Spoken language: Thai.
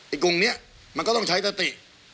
ไอ้กรุงเนี่ยมันก็ต้องใช้ตะติ